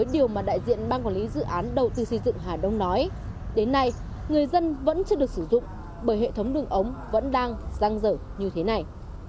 diện bang quản lý dự án đầu tư xây dựng hà đông nói đến nay người dân vẫn chưa được sử dụng bởi hệ thống đường ấm vẫn đang răng rở như thế này